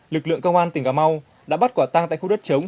lực lượng công an tỉnh cà mau đã bắt quả tang tại khu đất chống